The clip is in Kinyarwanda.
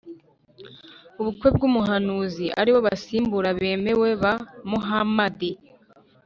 (umukwe w’umuhanuzi), ari bo basimbura bemewe ba muhamadi